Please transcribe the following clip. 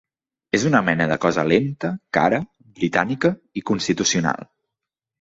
És una mena de cosa lenta, cara, britànica i constitucional.